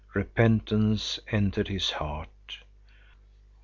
Repentance entered his heart.